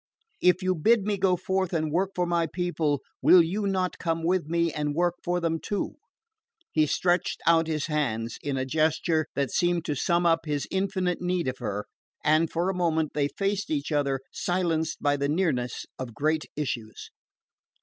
If you bid me go forth and work for my people, will you not come with me and work for them too?" He stretched out his hands, in a gesture that seemed to sum up his infinite need of her, and for a moment they faced each other, silenced by the nearness of great issues.